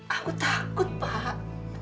aku takut pak